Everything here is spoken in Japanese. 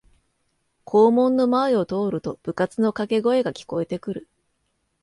校門の前を通ると部活のかけ声が聞こえてくる